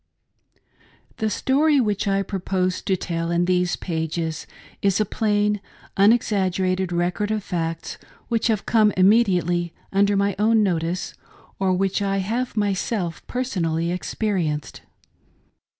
THE story which I propose to tell in these pages is a plain, unexaggerated record of facts which have come immediately under my own notice, or which I have myself personally experienced.